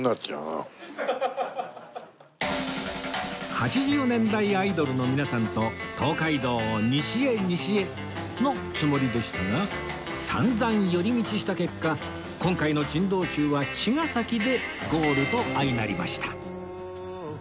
８０年代アイドルの皆さんと東海道を西へ西へのつもりでしたが散々寄り道した結果今回の珍道中は茅ヶ崎でゴールと相成りました